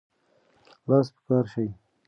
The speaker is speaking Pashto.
لاس په کار شئ.